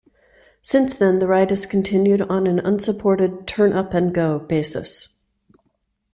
Since then the ride has continued on an unsupported 'turn up and go' basis.